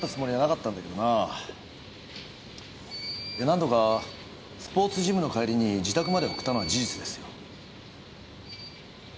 何度かスポーツジムの帰りに自宅まで送ったのは事実ですよ。